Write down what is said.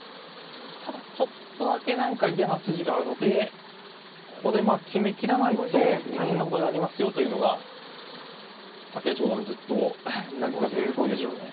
ただちょっとだけ何か嫌な筋があるのでここで決めきらないと大変なことになりますよというのが竹内五段ずっと投げかけてる問いでしょうね。